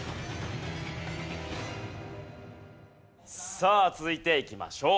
さあ続いていきましょう。